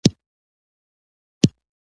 زما ورته پام و